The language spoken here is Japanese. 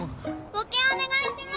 募金お願いします！